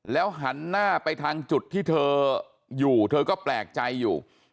หันหน้าไปทางจุดที่เธออยู่เธอก็แปลกใจอยู่